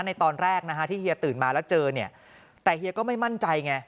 ในตอนแรกนะฮะที่เฮียตื่นมาแล้วเจอเนี่ยแต่เฮียก็ไม่มั่นใจไง